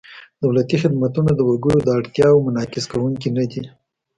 دولتي خدمتونه د وګړو د اړتیاوو منعکس کوونکي نهدي.